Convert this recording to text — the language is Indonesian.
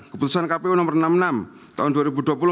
keputusan kpu nomor enam puluh enam tahun dua ribu dua puluh